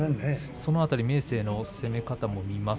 その辺りの明生の攻め方を見ます。